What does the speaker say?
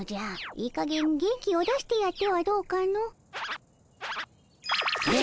いいかげん元気を出してやってはどうかの。え！